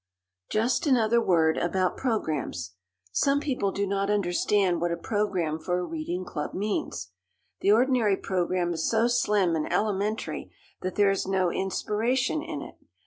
Just another word about programs. Some people do not understand what a program for a reading club means. The ordinary program is so slim and elementary that there is no inspiration in it.